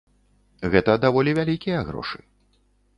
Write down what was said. Гэта даволі вялікія грошы.